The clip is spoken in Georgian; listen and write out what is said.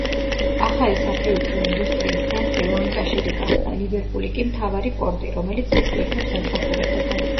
ახალი საფეიქრო ინდუსტრიის ცენტრი ლანკაშირი გახდა, ლივერპული კი მთავარი პორტი, რომელიც მის ტვირთებს ემსახურებოდა.